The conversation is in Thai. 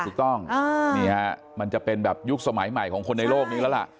ถูกต้องนี่ฮะมันจะเป็นแบบยุคสมัยใหม่ของคนในโลกนี้แล้วล่ะ